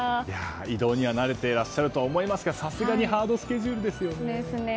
移動には慣れていらっしゃると思いますがさすがにハードスケジュールですよね。